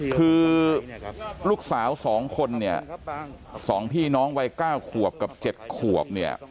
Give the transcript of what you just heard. คือลูกสาวสองคนสองพี่น้องวัย๙ขวบกับ๗ขวบ